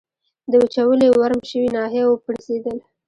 د وچولې ورم شوې ناحیه و پړسېدل.